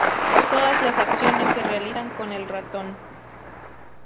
Todas las acciones se realizan con el ratón.